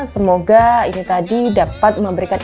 semoga ini tadi dapat memberikan